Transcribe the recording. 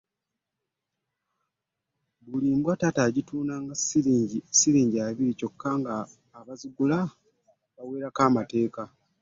Buli mbwa taata yagitundanga siringi abiri kyokka ng’abazigula abaweerako amateeka.